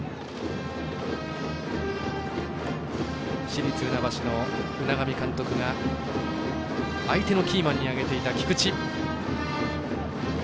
市立船橋の海上監督が相手のキーマンに挙げていた菊地。